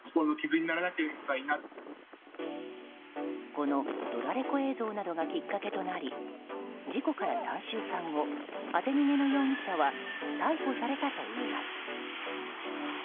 このドラレコ映像などがきっかけとなり事故から３週間後当て逃げの容疑者は逮捕されたといいます。